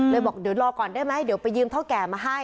บอกเดี๋ยวรอก่อนได้ไหมเดี๋ยวไปยืมเท่าแก่มาให้